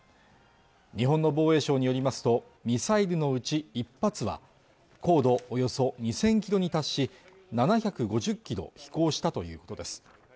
日本の防衛省によりますとミサイルのうち１発は高度およそ２０００キロに達し７５０キロ飛行したということです